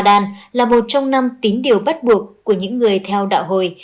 ramadan là một trong năm tín điều bắt buộc của những người theo đạo hồi